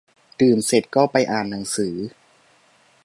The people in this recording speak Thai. ดื่มเสร็จก็ไปอ่านหนังสือ